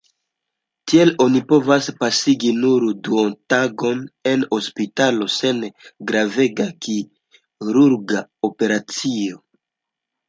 Tiel oni povas pasigi nur duontagon en hospitalo, sen gravega kirurga operacio.